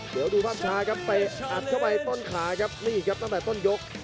เดี๋ยวดูภาพช้าครับเตะอัดเข้าไปต้นขาครับนี่ครับตั้งแต่ต้นยก